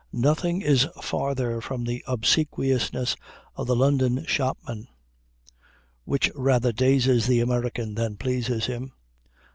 Nothing is farther from the obsequiousness of the London shopman, which rather dazes the American than pleases him.